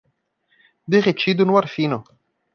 Derretido no ar fino